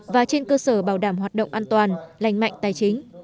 và trên cơ sở bảo đảm hoạt động an toàn lành mạnh tài chính